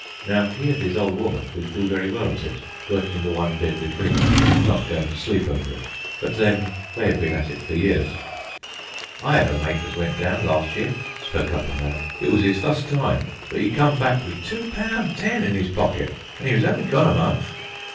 Now he and his old woman could do very well at it, working the one bin between them and not going to sleep over it; but then, they had been at it for years. "I 'ad a mate as went down last year," spoke up a man. "It was 'is fust time, but 'e come back wi' two poun' ten in 'is pockit, an' 'e was only gone a month."